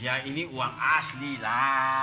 ya ini uang asli lah